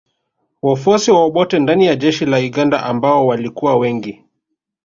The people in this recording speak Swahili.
Wafuasi wa Obote ndani ya jeshi la Uganda ambao walikuwa wengi